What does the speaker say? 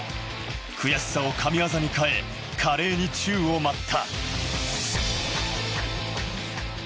悔しさを神業に変え、華麗に宙を舞った。